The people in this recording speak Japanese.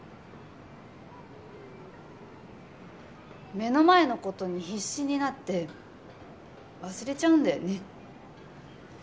目の前のことに必死になって忘れちゃうんだよね